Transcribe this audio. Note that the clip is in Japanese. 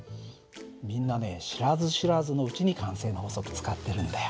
みんなね知らず知らずのうちに慣性の法則使ってるんだよ。